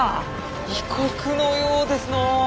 異国のようですのう！